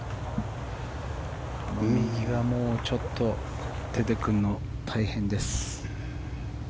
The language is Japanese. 右がもうちょっと出てくるの大変です。